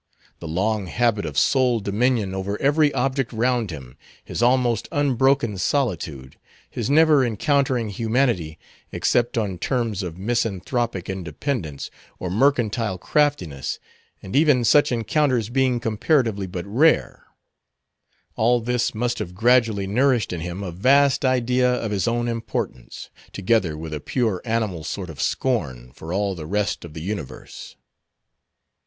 The long habit of sole dominion over every object round him, his almost unbroken solitude, his never encountering humanity except on terms of misanthropic independence, or mercantile craftiness, and even such encounters being comparatively but rare; all this must have gradually nourished in him a vast idea of his own importance, together with a pure animal sort of scorn for all the rest of the universe.